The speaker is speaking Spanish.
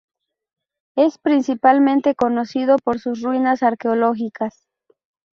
Es principalmente conocido por sus ruinas arqueológicas.